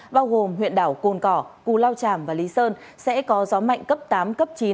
bao gồm huyện đảo cồn cỏ cù lao tràm và lý sơn sẽ có gió mạnh cấp tám cấp chín